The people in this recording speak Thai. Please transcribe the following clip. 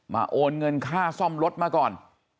โอนเงินค่าซ่อมรถมาก่อน